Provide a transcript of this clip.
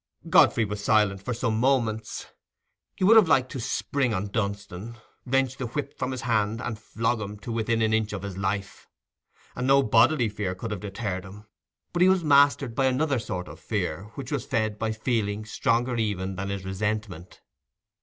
Godfrey was silent for some moments. He would have liked to spring on Dunstan, wrench the whip from his hand, and flog him to within an inch of his life; and no bodily fear could have deterred him; but he was mastered by another sort of fear, which was fed by feelings stronger even than his resentment.